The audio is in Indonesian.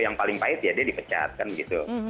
yang paling pahit ya dia dipecatkan gitu